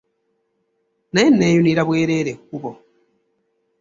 Naye nneeyunira bwereere ekkubo.